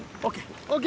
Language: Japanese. ＯＫ。